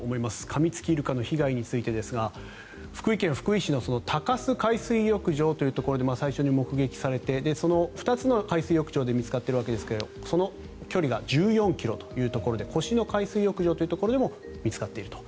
かみつきイルカの被害についてですが福井県福井市の鷹巣海水浴場というところで最初に目撃されて２つの海水浴場で見つかっているわけですがその距離が１４ｋｍで越廼海水浴場というところでも見つかっていると。